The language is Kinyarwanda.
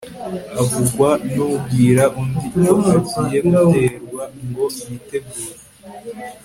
avugwa n'ubwira undi ko agiye guterwa, ngo yitegure